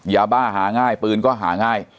ยาบ้าหาง่ายปืนก็หาง่าย